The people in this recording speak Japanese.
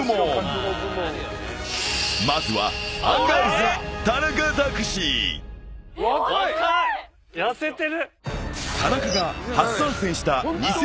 ［まずは］痩せてる。